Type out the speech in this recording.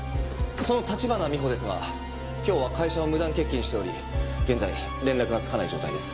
その立花美穂ですが今日は会社を無断欠勤しており現在連絡がつかない状態です。